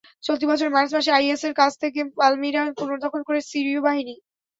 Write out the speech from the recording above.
চলতি বছরের মার্চ মাসে আইএসের কাছ থেকে পালমিরা পুনর্দখল করে সিরীয় বাহিনী।